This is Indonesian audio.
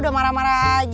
di bahasa kondisi aho inand